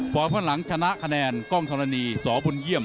ข้างหลังชนะคะแนนกล้องธรณีสบุญเยี่ยม